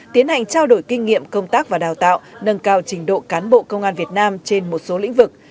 tiến hành trao đổi kinh nghiệm công tác và đào tạo nâng cao trình độ cán bộ công an việt nam trên một số lĩnh vực